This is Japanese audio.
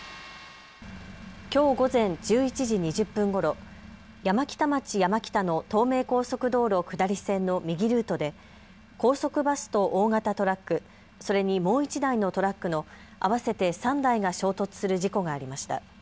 きょう午前１１時２０分ごろ、山北町山北の東名高速道路下り線の右ルートで高速バスと大型トラック、それにもう１台のトラックの合わせて３台が衝突する事故がありました。